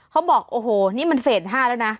เขาบอกโอ้โหนี่มันเฟส๕แล้วนะ